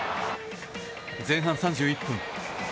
前半３１分。